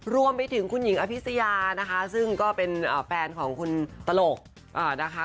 รวมไปถึงคุณหญิงอภิษยานะคะซึ่งก็เป็นแฟนของคุณตลกนะคะ